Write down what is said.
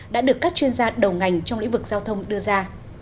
đã được các chuyên gia đầu ngành trong lĩnh vực giao thông đưa ra